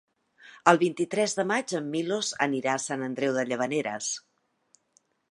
El vint-i-tres de maig en Milos anirà a Sant Andreu de Llavaneres.